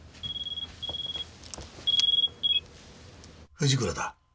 藤倉だ。